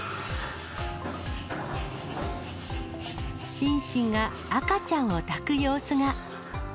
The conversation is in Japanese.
シンシンが赤ちゃんを抱く様子が。